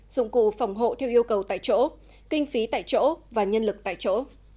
dụng cụ phòng hộ theo yêu cầu tại chỗ kinh phí tại chỗ và nhân lực tại chỗ